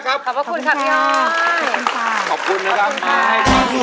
ทุกคนนี้ก็ส่งเสียงเชียร์ทางบ้านก็เชียร์